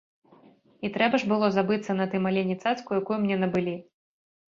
І трэба ж было забыцца на тым алені цацку, якую мне набылі.